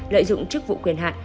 lợi dụng chức vụ quyền hạn